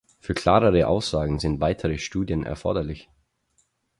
Für klarere Aussagen sind weitere Studien erforderlich.